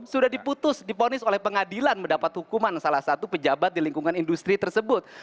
sudah diputus diponis oleh pengadilan mendapat hukuman salah satu pejabat di lingkungan industri tersebut